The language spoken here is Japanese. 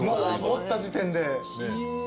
持った時点で。